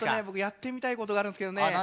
僕やってみたいことがあるんですけどね。